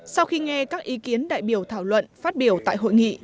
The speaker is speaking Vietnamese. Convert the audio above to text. sau khi nghe các ý kiến đại biểu thảo luận phát biểu tại hội nghị